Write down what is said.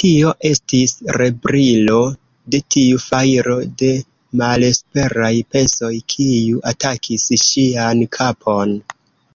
Tio estis rebrilo de tiu fajro de malesperaj pensoj, kiu atakis ŝian kapon.